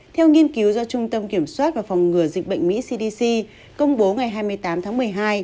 theo nghiên cứu do trung tâm kiểm soát và phòng ngừa dịch bệnh mỹ cdc công bố ngày hai mươi tám tháng một mươi hai